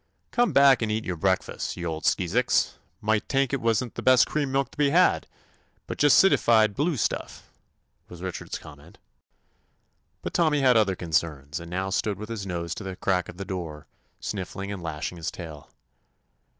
"Come back, an' eat yo' breakfas', yo' old skeezicks. Might tink 't wa' n't the best cream milk to be had, but just citified blue stuff I" was Richard's comment. But Tommy had other concerns, and now stood with his nose to the crack of the door, snifBng and lashing his tail.